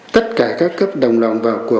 tất cả các cấp đồng lòng vào cuộc